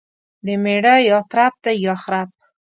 دميړه يا ترپ دى يا خرپ.